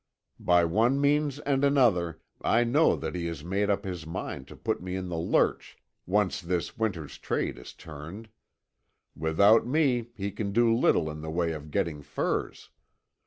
By one means and another I know that he has made up his mind to put me in the lurch once this winter's trade is turned. Without me, he can do little in the way of getting furs.